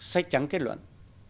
sách trắng kết luận